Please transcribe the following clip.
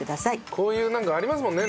こういうなんかありますもんね